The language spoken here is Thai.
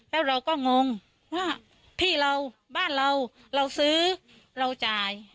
แล้วเราก็งงว่าที่เราบ้านเราเราซื้อเราจ่าย